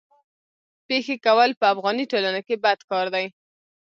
پېښې کول په افغاني ټولنه کي بد کار دی.